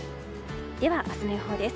では明日の予報です。